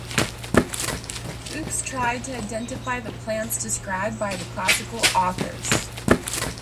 Fuchs tried to identify the plants described by the classical authors.